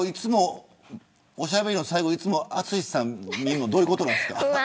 おしゃべりの最後いつも淳さん見るのどういうことなんですか。